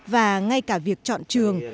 và ngay cả việc chọn trường